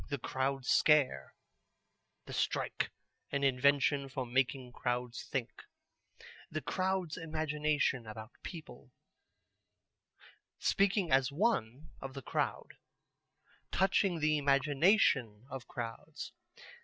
The Crowd Scare; The Strike, an Invention for making Crowds Think; The Crowd's Imagination about People; Speaking as One of the Crowd; Touching the Imagination of Crowds."